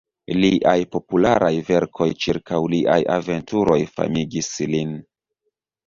Liaj popularaj verkoj ĉirkaŭ liaj aventuroj famigis lin.